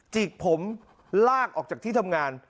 จิกผมลากออกจากที่ทำงาน